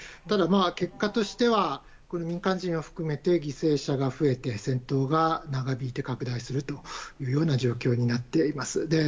ただ、結果としては民間人を含めて犠牲者が増えて戦闘が長引いて拡大するというような状況になっています。